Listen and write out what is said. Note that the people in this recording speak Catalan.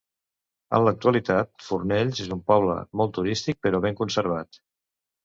En l'actualitat, Fornells és un poble molt turístic, però ben conservat.